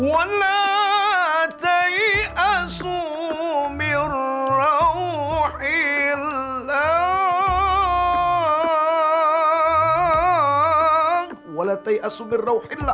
yang baru saja mengimjilkan bahwa kita tidak harus memberi ini sebagai nama ya allah